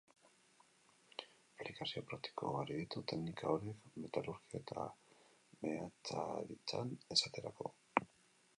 Aplikazio praktiko ugari ditu teknika honek, metalurgia eta meatzaritzan, esaterako.